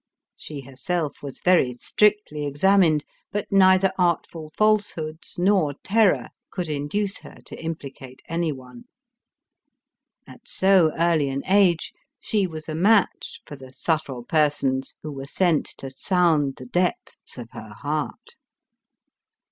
She herself was very strictly examined, but neither artful falsehoods nor terror could induce her to impli cate any one. At so early an age, she was a match for the subtle persons who were sent to sound the depths of her heart.